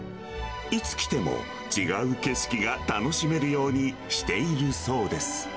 いつ来ても、違う景色が楽しめるようにしているそうです。